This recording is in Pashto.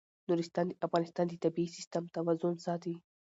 نورستان د افغانستان د طبعي سیسټم توازن ساتي.